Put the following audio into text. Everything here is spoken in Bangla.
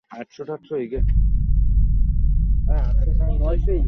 আহতাবস্থায় মোটরসাইকেলে করে দুই ছিনতাইকারী পালানোর চেষ্টা করলে তারা পড়ে যায়।